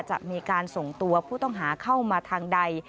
จะมีการส่งตัวผู้ต้องหาเข้ามาทางใด